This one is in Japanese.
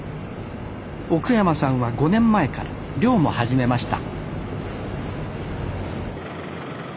奥山さんは５年前から漁も始めました